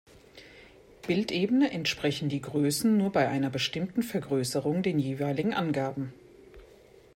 Bildebene entsprechen die Größen nur bei einer bestimmten Vergrößerung den jeweiligen Angaben.